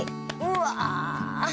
うわ。